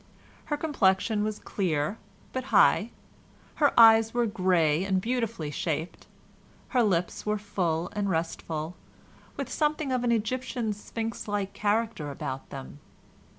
Her complexion was clear, but high; her eyes were grey and beautifully shaped; her lips were full and restful, with something of an Egyptian Sphinx like character about them.